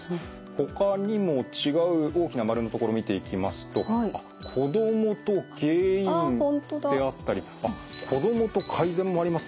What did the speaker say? ほかにも違う大きな丸のところ見ていきますとあっ子供と原因ってあったりあっ子供と改善もありますね。